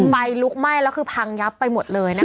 ไฟลุกไหม้แล้วคือพังยับไปหมดเลยนะคะ